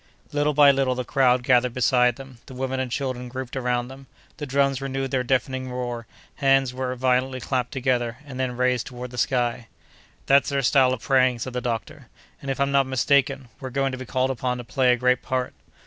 Little by little the crowd gathered beside them, the women and children grouped around them, the drums renewed their deafening uproar, hands were violently clapped together, and then raised toward the sky. "That's their style of praying," said the doctor; "and, if I'm not mistaken, we're going to be called upon to play a great part."